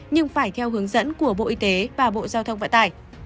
nhưng phải theo hướng dẫn của bộ y tế và bộ giao thông vận tải